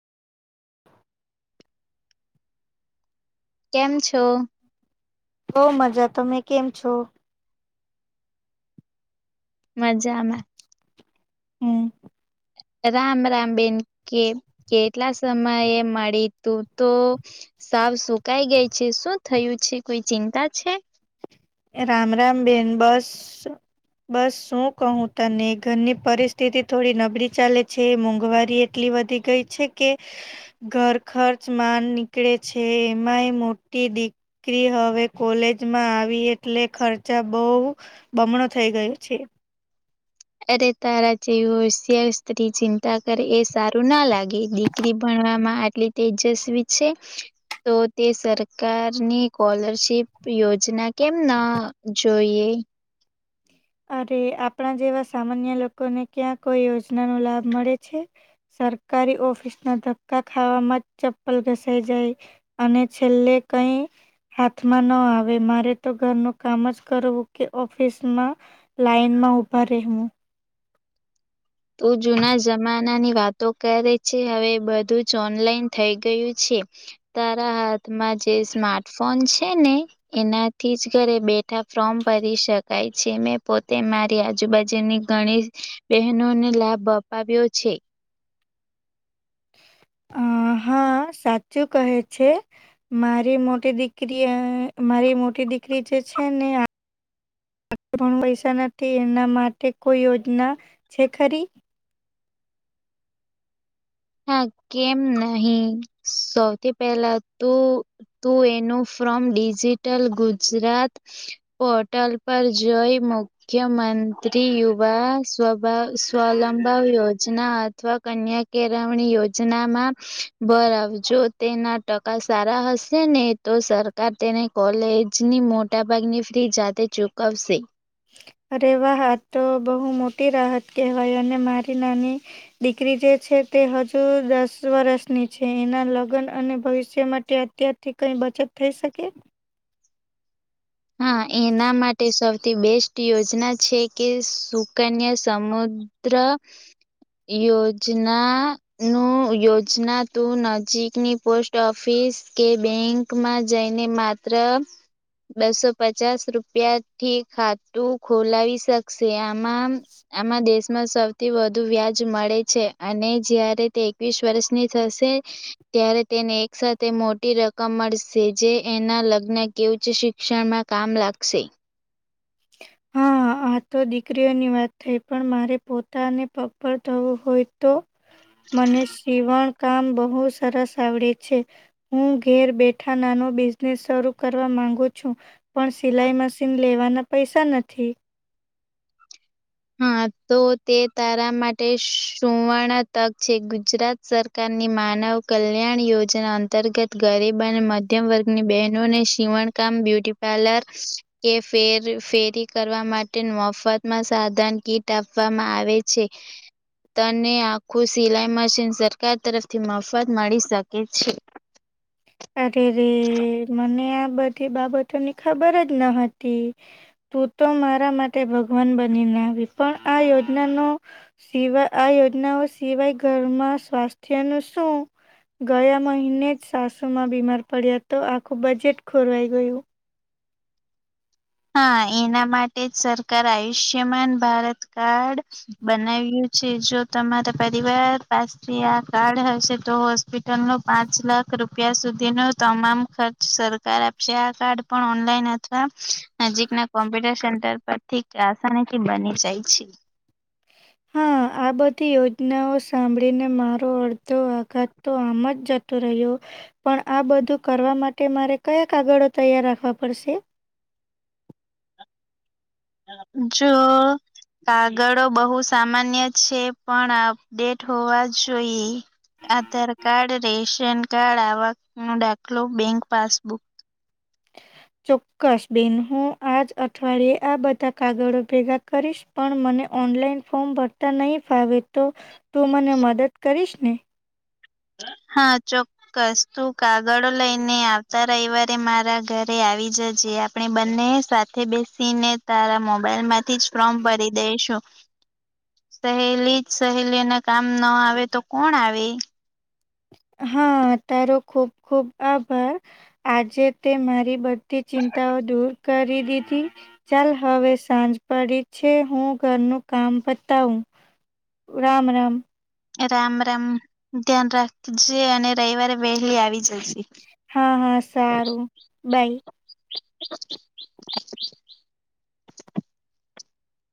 [unintelligible] [inaudible] કેમ છો. બહું મજા તમે કેમ છો. મજામાં. હમ. રામ રામ બેન કે કેટલા સમયે મળી તું તો સાવ સુકાઈ ગઈ છે, શું થયું છે, કોઈ ચિંતા છે. રામ રામ બેેન બસ બસ શું કહું તને ઘરની પરિસ્થિતિ થોડી નબળી ચાલે છે, મોંઘવારી એટલી વધી ગઈ છે, કે ઘર ખર્ચમાંન નીકળે છે, એમાંય મોટી દીકરી હવે કોલેજમાં આવી એક એટલે ખર્ચા બહું બમણો થઈ ગયો છે. અરે તારા જેવું હોશિયાર સ્ત્રી ચિંતા કરે એ સારું ના લાગે દીકરી ભણ વામા આટલી તેજસ્વી છે. તો તે સરકારની કોલરશીપ યોજના કેમ ના જોઈએ એ. અરે આપણા જેવા સામાન્ય લોકોને ક્યાં કોઈ યોજનાનો લાભ મળે છે. સરકારી ઓફિસના ધક્કા ખાવામાં ચપ્પલ ઘસાઈ જાય અને છેલ્લે કંઈ [unintelligible] [inaudible] હાથમાં ન આવે મારે તો ઘરનું કામ જ કરવું કે ઓફિસમાં લાઈનમાં ઉભા રહેેવું તું જુના જમાનાની વાતો કરે છે, હવે બધું જ ઓનલાઈન થઈ ગયું છે. તારા હાથમાં જે સ્માર્ટફોન છે, ને એનાથી જ ઘરે બે ઠા ફોર્મ ભરી શકાય છે, મેં પોતે મારી આજુબાજુની ઘણી બે નો ને લાભ અપાવ્યો છે. [unintelligible] [inaudible] અ હા સાચું કહે છે, મારી મોટી દીકરીએ. મારી મોટી દીકરી જે છે, ને [unintelligible] [inaudible] પણ પૈસા નથી, એના માટે કોઈ યોજના છે, ખરી હા કેમ નહીં સૌથી પહેલા તું તું એનું ફોમ ડિજિટલ ગુજરાત પોર્ટલ પર જોઈ મુખ્યમંત્રી મંત્રી યુવા સ્વલંભ યોજના અથવા કન્યા કે અગાઉ ની યોજનામાં બર આવજો તેના ટકા સારા હશે ને તો. સરકાર તેને કોલેજની મોટા ભાગની ફી જાતે ચૂકવશે. અરે વાહા તો બહુ મોટી રાહત કહેવાય અને મારી નાની દીકરી જે છે તે હજુ દસ વર્ષની છે, એના લગ્ન અને ભવિષ્ય માટે અત્યારથી કંઈ. બચત થઈ શકે. હા એના માટે સૌથી બેસ્ટ યોજના છે, કે સુકન્યા સમુદ્ર અ્ર [unintelligible] [inaudible] યોજના નું યોજના તું નજીકની પોસ્ટ ઓફિસ પોસ કે બેંકમાં જઈને માત્ર બસો પચાસ રૂપિયા થી ખાતું ખોલાવી શકશે આમાં દેશમાં સૌથી વધુ વ્યાજ મળે છે અને જયારે તે એકવીસ વર્ષની થશે ત્યારે તેને એક સાથે મોટી રકમ મળશે જે એના લગ્ન કેવું છે શિક્ષણમાં કામ લાગશે હા, આ તો દીકરીઓની વાત થઈ પણ મારે પોતાને પપ્પર થવું હોય તો મને સીવણ કામ બહુ સરસ આવડે છે હું ઘેર બેઠા નાના બઝનેસ શરૂ કરવા માંગુ છું પણ સિલાઈ મશીન લેવાના પૈસા નથી હમ તો તે તારા માટે સુવર્ણ તક છે ગુજરાત સરકારની મા મા નવ કલ્યાણ યોજના અંતર્ગત ગરીબ અને મધ્યમ વર્ગની બહેનોને સીવણકામ બ્યુ બ્યુટીપાર્લર કે ફેરી કરવા માટે મફત માં સાધન કીટ આપવામાં આવે છે તને આખું સિલાઈ મશીન સરકાર તરફથી મફત મળી શકે છે અરે રે મને આ બધી બાબતોની ખબર જ ન હતી તું તો મારા માટે ભગવાન બનીને આવી પણ આ યોજના ન સિવાય આયો જ સિવાય ઘરમાં સ્વાસ્થ્ય નું શું ગયા મહિને જ માં બીમાર પડ્યા તો આખું બજેટ ખોરવાઈ ગયું હા એના માટે જ સરકાર આયુષ્યમાન ભારત કાર્ડ બનાવ્યું જો તમારા પરિવાર પાસે આ કાર્ડ હશે તો હોસ્પિટલ નો પાંચ લાખ રૂપિયા સુધી ન તમામ ખર્ચ સરકાર આપશે આ કાર્ડ પણ ઓનલાઈન અથવા નજીક ના કમ્પ્યુટર સેન્ટર પર ઠીસા નખ બની જાય છે હા આ બધી યોજનાઓ સાંભળીને મારો અડધો આઘાત તો આમ જ જતો રહ્યો પણ આ બધું કરવા માટે મારે કયા કાગળો તૈયાર રાખવા પડશે જો કાગળો બહુ સામાન્ય છે પણ અપડેટ હોવા જોઈએ આધાર કાર્ડ રેશન કાર્ડ આક ન દાખલો બેંક પાસબુક ચોક્કસ બેન હું આજ અઠવાડિયે આ બધા કાગળો ભેગા કરીશ પણ મને ઓનલાઈન ફોર્મ ભરતા નહીિ ફાવે તો તું મને મદદ કરીશ ને હ હા ચોક્કસ તું કાગળો લઈને આવતા રવિવારે મારા ઘરે આવી જજે આપણે બંને સાથે બેસીને તારા મોબાઈલ માંથી જ ફોમ ભરી દઈશું સહેલી જ સહેલીને કામ ના આવે તો કોણ આવે હા તારો ખુબ ખુબ આભાર આજે તે મારી બધી ચિંતા દૂર કરી દીધી ચાલ હવે સાંજ પડી છે હું ઘરનું કામ પતા હું રામ રામ રામ રામ ધ્યાન રાખજે અને રવિવારે વહેલી આવી જજે હા હા સારું બાય [unintelligible]